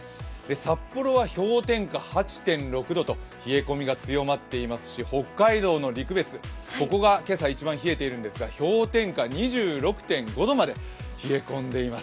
札幌は氷点下８．５度と冷え込みが強まっていますし北海道の陸別が今朝一番冷えているんですが氷点下２６．５度まで冷え込んでいます。